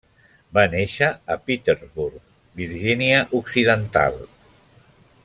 Va néixer a Petersburg, Virgínia Occidental.